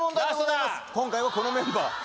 今回はこのメンバー。